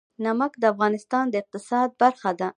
نمک د افغانستان د اقتصاد برخه ده.